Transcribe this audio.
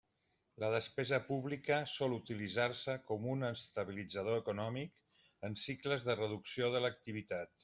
La despesa pública sol utilitzar-se com un estabilitzador econòmic en cicles de reducció de l'activitat.